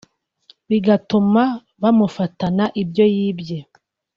bigatuma bamufatana ibyo yibye